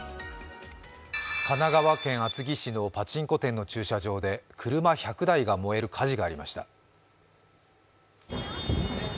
神奈川県厚木市のパチンコ店の駐車場で、車１００台が燃える火事がありました。